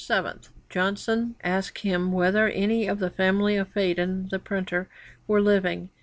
7, 'Johnson asked him whether any of the family of Faden the printer were living.